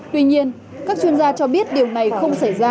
tuy nhiên các chuyên gia cho biết điều này không xảy ra